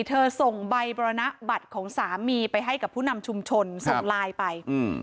ส่งใบบรณบัตรของสามีไปให้กับผู้นำชุมชนส่งไลน์ไป